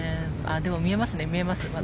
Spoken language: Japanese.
でも、見えますね、見えます。